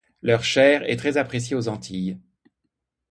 Leur chair est très appréciée aux Antilles.